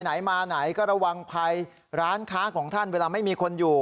ไหนมาไหนก็ระวังภัยร้านค้าของท่านเวลาไม่มีคนอยู่